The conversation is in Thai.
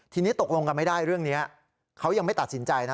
ทีนี้ตกลงกันไม่ได้เรื่องนี้เขายังไม่ตัดสินใจนะ